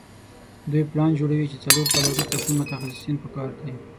دوی پلان جوړوي چې څلور کاله وروسته کوم متخصصین په کار دي.